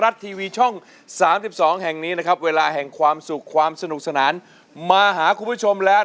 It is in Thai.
สงสัยคุณคุณตายแล้ว